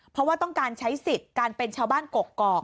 เพราะว่าต้องการใช้สิทธิ์การเป็นชาวบ้านกกอก